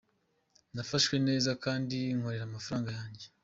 Nafashwe neza kandi nkorera amafaranga yanjye.